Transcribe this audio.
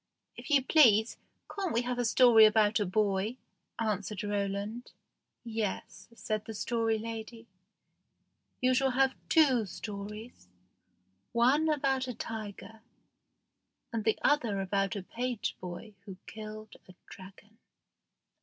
"If you please, can't we have a story about a boy?" answered Roland. "Yes," said the Story Lady; "you shall have two stories one about a tiger, and the other about a page boy who killed a dragon."